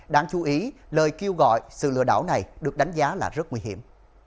đáng chú ý lời kêu gọi sự lừa đảo này được đánh giá là rất nguy hiểm